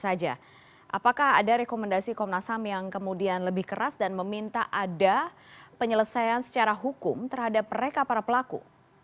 apakah ada rekomendasi komnas ham yang kemudian lebih keras dan meminta ada penyelesaian secara hukum terhadap mereka para pelaku